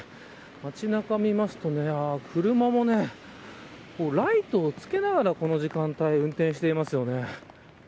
街中を見ますと車もライトをつけながらこの時間帯運転していますよね。